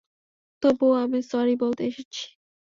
তবুও আমি স্যরি বলতে এসেছি।